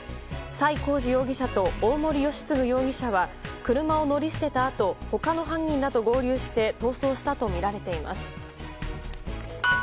崔浩司容疑者と大森由嗣容疑者は車を乗り捨てたあと他の犯人らと合流して逃走したとみられています。